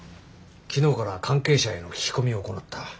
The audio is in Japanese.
昨日から関係者への聞き込みを行った。